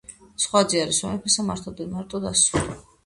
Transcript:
სხვა ძე არ ესვა მეფესა მართ ოდენ მარტო